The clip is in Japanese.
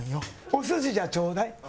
お寿司じゃあちょうだい！